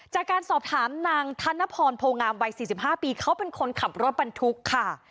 จากการสอบถามนางธนพรโพงามวัย๔๕ปีเขาเป็นคนขับรถบรรทุกค่ะ